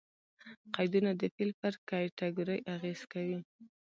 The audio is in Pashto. قیدونه د فعل پر کېټګوري اغېز کوي.